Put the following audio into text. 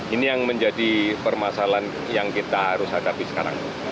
ini yang menjadi permasalahan yang kita harus hadapi sekarang